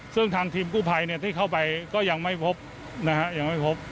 ซึ่งทางทีมกู้ภัยที่เข้าไปก็ยังไม่พบ